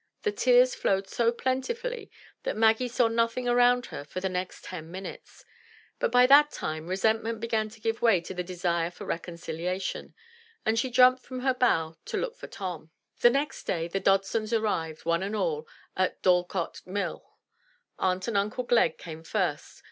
The tears flowed so plentifully that Maggie saw nothing around her for the next ten minutes; but by that time resentment began to give way to the desire for recon ciliation, and she jumped from her bough to look for Tom. 219 MY BOOK HOUSE The next day the Dodsons arrived, one and all, at Doricote Mill. Aunt and Uncle Glegg came first.